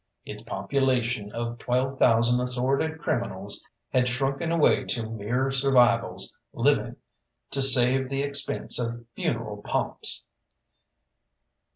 Its population of twelve thousand assorted criminals had shrunken away to mere survivals living to save the expense of funeral pomps.